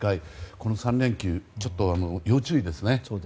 この３連休ちょっと要注意ですね。